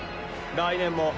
来年も。